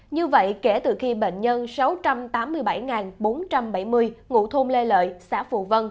như vậy kể từ khi bệnh nhân sáu trăm tám mươi bảy bốn trăm bảy mươi ngụ thôn lê lợi xã phù vân